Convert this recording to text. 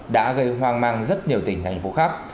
đã gây hoang mang rất nhiều tỉnh thành phố khác